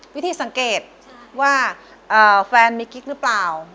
วิธีสังเกตว่าแฟนมีกิ๊กหรือเปล่า